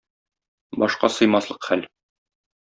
Башка сыймаслык хәл...